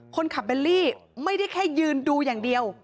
คนขับเบลลี่ไม่ได้แค่ยืนดูอย่างเดียว